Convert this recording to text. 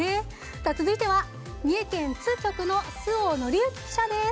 続いては三重県津局の周防則志記者です。